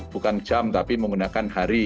bukan jam tapi menggunakan hari